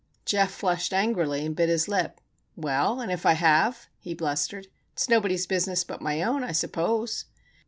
Geof flushed angrily, and bit his lip. "Well, and if I have?" he blustered. "It's nobody's business but my own, I suppose!"